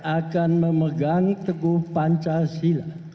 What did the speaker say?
akan memegang teguh pancasila